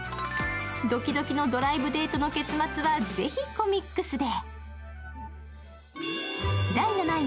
ドキドキのドライブデートの結末はぜひコミックスで。